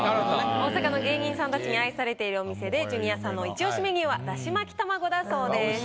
大阪の芸人さんたちに愛されているお店でジュニアさんのイチ押しメニューはだし巻き卵だそうです。